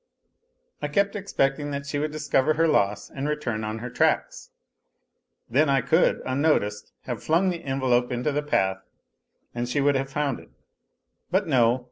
I kept expecting that she would discover her loss and return on her tracks. Then I could, unnoticed, have flung the envelope on the path and she would have found it. But no